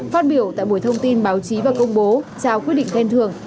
phát biểu tại buổi thông tin báo chí và công bố trao quyết định khen thường